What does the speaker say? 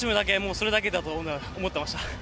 それだけだと思っていました。